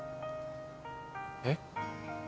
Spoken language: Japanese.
えっ？